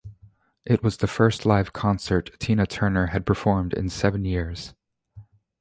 It was the first live concert Tina Turner had performed in seven years.